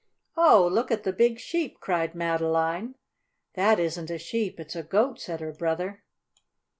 "Oh, look at the big sheep!" cried Madeline. "That isn't a sheep, it's a goat," said her brother.